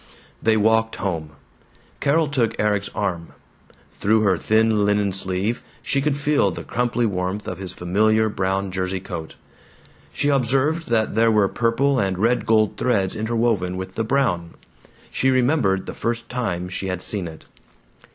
They walked home. Carol took Erik's arm. Through her thin linen sleeve she could feel the crumply warmth of his familiar brown jersey coat. She observed that there were purple and red gold threads interwoven with the brown. She remembered the first time she had seen it.